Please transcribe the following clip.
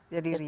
jadi reason ya